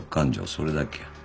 それだけや。